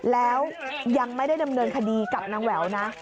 แล้วยังไม่ได้ดำเนินคดีกับนางแหววนะ